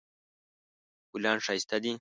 ګلان ښایسته دي